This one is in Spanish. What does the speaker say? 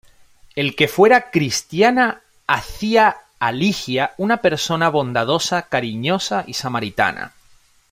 El que fuera cristiana hacía a Ligia una persona bondadosa, cariñosa, y samaritana.